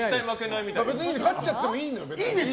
別に勝っちゃってもいいんだよ。